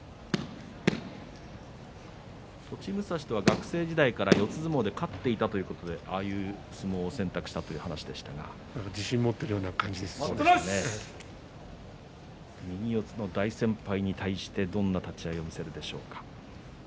栃武蔵とは学生時代から四つ相撲で勝っていたということでああいう相撲を選択したという話自信を持っているよう右四つの大先輩に対してどのような立ち合いをするか。